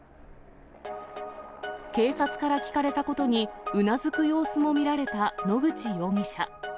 警察から聞かれたことにうなずく様子も見られた野口容疑者。